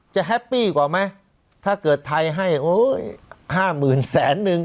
จะแฮปปี้กว่าไหมถ้าเกิดไทยให้โอ้ย๕๐๐๐๐แสนนึง